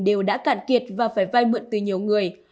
đều đã cạn kiệt và phải vay mượn từ nhiều người